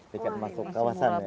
tiket masuk kawasan ya